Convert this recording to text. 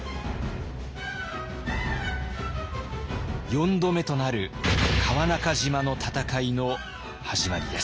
４度目となる川中島の戦いの始まりです。